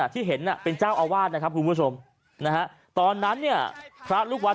ที่เห็นเป็นเจ้าอาวาสนะครับคุณผู้ชมนะฮะตอนนั้นเนี่ยพระลูกวัด